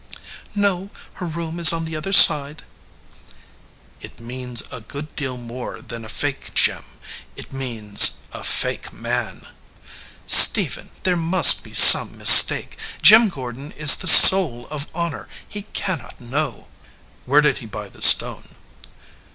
"No ; her room is on the other side." "It means a good deal more than a fake gem. It means a fake man." 18 265 EDGEWATER PEOPLE "Stephen, there must be some mistake. Jim Gor don is the soul of honor. He cannot know." "Where did he buy the stone?"